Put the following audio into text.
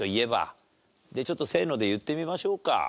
ちょっと「せーの」で言ってみましょうか。